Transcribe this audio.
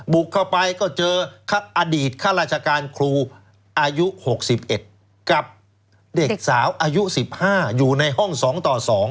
บุกเข้าไปก็เจออดีตข้าราชการครูอายุ๖๑กับเด็กสาวอายุ๑๕อยู่ในห้อง๒ต่อ๒